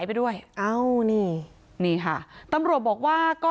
ไปโบกรถจักรยานยนต์ของชาวอายุขวบกว่าเองนะคะ